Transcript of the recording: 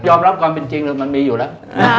รับความเป็นจริงเลยมันมีอยู่แล้ว